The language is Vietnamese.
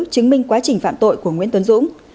chứng minh quá trình phạm tội của nguyễn tuấn dũng